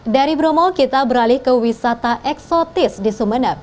dari bromo kita beralih ke wisata eksotis di sumeneb